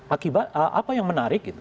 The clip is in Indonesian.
akibat apa yang menarik gitu